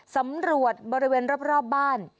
สำรวจบริเวณรอบบ้าน